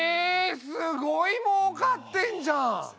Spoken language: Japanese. すごいもうかってんじゃん！